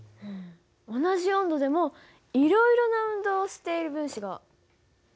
同じ温度でもいろいろな運動をしている分子があるって事？